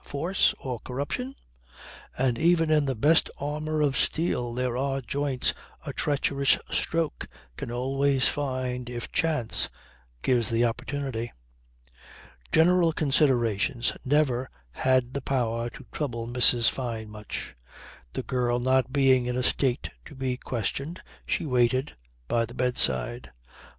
Force or corruption? And even in the best armour of steel there are joints a treacherous stroke can always find if chance gives the opportunity. General considerations never had the power to trouble Mrs. Fyne much. The girl not being in a state to be questioned she waited by the bedside.